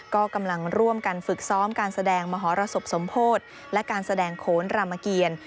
ก็กำลังร่วมกันฝึกซ้อมการแสดงมหรสบสมโพธิและการแสดงโขนรามเกียร